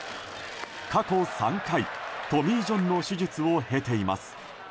過去３回、トミー・ジョンの手術を経ています。